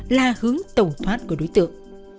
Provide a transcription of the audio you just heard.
là hướng tẩu thoát của đối tượng